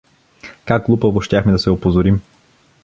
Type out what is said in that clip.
— Как глупаво щяхме да се опозорим!